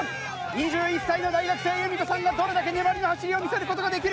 ２１歳の大学生ゆみこさんがどれだけ粘りの走りを見せる事ができるか？